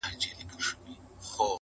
چي ناڅاپه مي ور وښودل غاښونه.!